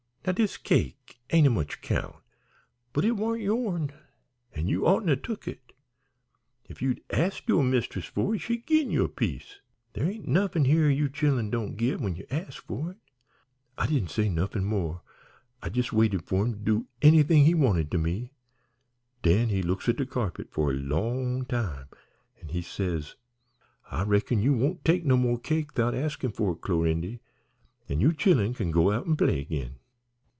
Now dis cake ain't o' much 'count, but it warn't yourn, an' you oughtn't to ha' tuk it. If you'd asked yo'r mist'ess for it she'd gin you a piece. There ain't nuffin here you chillen doan' git when ye ask for it.' I didn't say nuffin more. I jes' waited for him to do anythin' he wanted to me. Den he looks at de carpet for a long time an' he says: "'I reckon you won't take no mo' cake 'thout askin' for it, Clorindy, an' you chillen kin go out an' play agin.'"